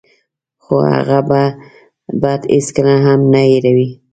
خو هغه بد هېڅکله هم نه هیروي.